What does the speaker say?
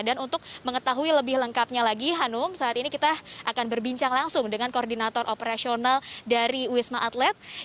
dan untuk mengetahui lebih lengkapnya lagi hanum saat ini kita akan berbincang langsung dengan koordinator operasional dari wisma atlet